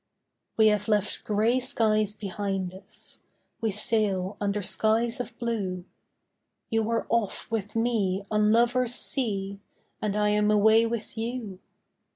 We have left grey skies behind us, We sail under skies of blue; You are off with me on lovers' sea, And I am away with you.